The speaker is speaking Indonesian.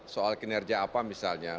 soal kinerja apa misalnya